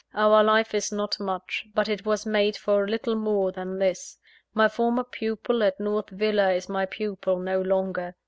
Our life is not much; but it was made for a little more than this. My former pupil at North Villa is my pupil no longer.